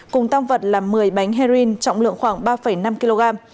cùng tăng vật là một mươi bánh heroin trọng lượng khoảng ba năm kg